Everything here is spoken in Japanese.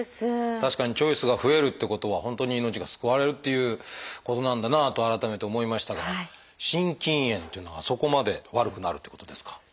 確かにチョイスが増えるってことは本当に命が救われるということなんだなと改めて思いましたが心筋炎っていうのはそこまで悪くなるってことですか？